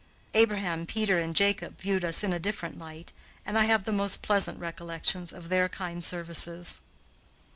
Abraham, Peter, and Jacob viewed us in a different light, and I have the most pleasant recollections of their kind services.